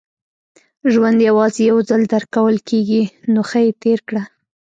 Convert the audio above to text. • ژوند یوازې یو ځل درکول کېږي، نو ښه یې تېر کړه.